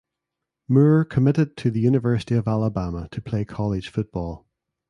Moore committed to the University of Alabama to play college football.